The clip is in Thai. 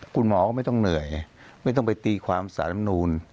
คุณหมอก็ไม่ต้องเหนื่อยไม่ต้องไปตีความสารมนูล